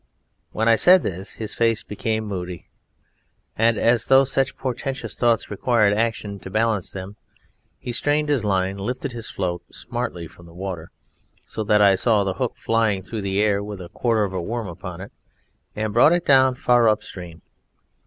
When I said this his face became moody, and, as though such portentous thoughts required action to balance them, he strained his line, lifted his float smartly from the water (so that I saw the hook flying through the air with a quarter of a worm upon it), and brought it down far up the stream.